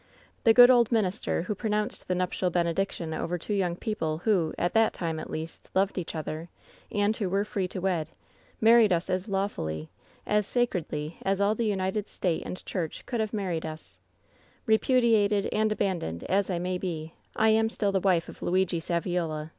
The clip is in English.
The good old minister who pronounced the nuptial bene diction over two young people who — at that time, at least, loved each other, and who were free to wed — married us as lawfully, as sacredly as all the united state and church could have married us I Repudiated and abandoned as I may be, I am still the wife of Luigi Saviola.